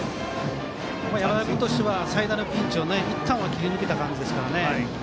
山田君としては最大のピンチをいったんは切り抜けた形でしたからね。